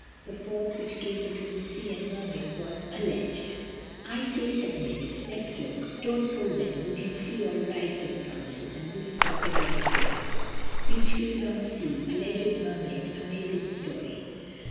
The fourth which came between Sea and Mermaid was Alleged. "I say," said Mavis, "let's look." "Don't pull then, you can see all right," said Francis, and this is what they read together: BEACHFIELD ON SEA—ALLEGED MERMAID. AMAZING STORY.